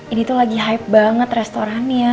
ini tuh lagi hype banget restorannya